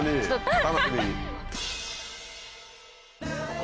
お楽しみに。